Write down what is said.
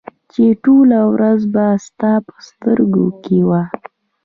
چې ټوله ورځ به ستا په سترګو کې وه